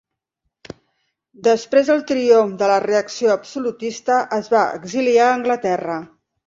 Després del triomf de la reacció absolutista, es va exiliar a Anglaterra.